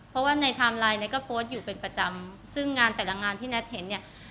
เพราะว่าในไทม์ไลน์เนี่ยก็โพสต์อยู่เป็นประจำซึ่งงานแต่ละงานที่แท็กเห็นเนี่ย